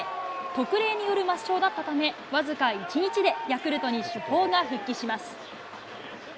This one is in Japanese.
特例による抹消だったため、僅か１日でヤクルトに主砲が復帰します。